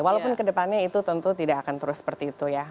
walaupun kedepannya itu tentu tidak akan terus seperti itu ya